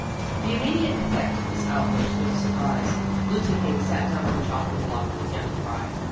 The immediate effect of this outburst was a surprise. Lucy Haines sat down on the chopping block and began to cry.